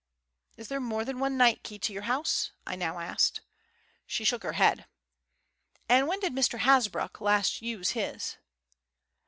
"Is there more than one night key to your house?" I now asked. She shook her head. "And when did Mr. Hasbrouck last use his?"